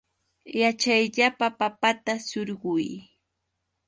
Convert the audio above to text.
Yaćhayllapa papata surquy.